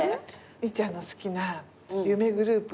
ミッちゃんの好きな夢グループの。